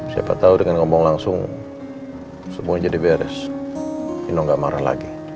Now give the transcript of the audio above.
siapa tahu dengan ngomong langsung semuanya jadi beres inno nggak marah lagi